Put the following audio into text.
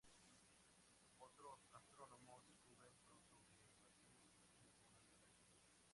Otros astrónomos descubrieron pronto que el vacío contiene algunas galaxias.